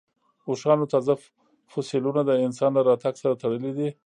اوښانو تازه فسیلونه د انسان له راتګ سره تړلي دي.